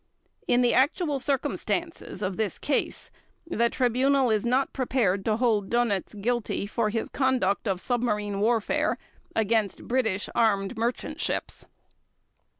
In the actual circumstances of this case, the Tribunal is not prepared to hold Dönitz guilty for his conduct of submarine warfare against British armed merchant ships.